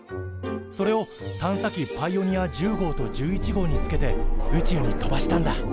それを探査機パイオニア１０号と１１号につけて宇宙に飛ばしたんだ。